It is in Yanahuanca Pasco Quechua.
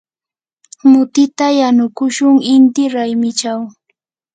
mutita yanukushun inti raymichaw.